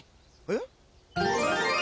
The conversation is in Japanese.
えっ？